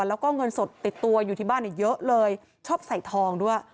แล้วก็เงินสดติดตัวอยู่ที่บ้านเยอะเลยชอบใส่ทองด้วย